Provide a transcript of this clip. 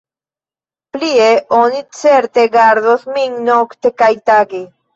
Plie, oni certe gardos min nokte kaj tage.